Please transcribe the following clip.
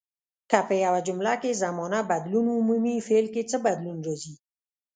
که په یوه جمله کې زمانه بدلون ومومي فعل کې څه بدلون راځي.